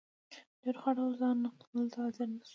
دواړو خواوو ځان نقد کولو ته حاضره نه شوه.